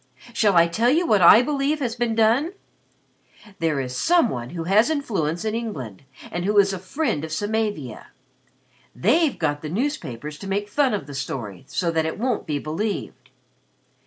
Shall I tell you what I believe has been done? There is some one who has influence in England and who is a friend to Samavia. They've got the newspapers to make fun of the story so that it won't be believed.